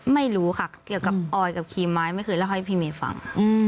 ไม่รู้ค่ะเกี่ยวกับออยกับคีย์ไม้ไม่เคยเล่าให้พี่เมย์ฟัง